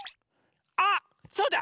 あそうだ！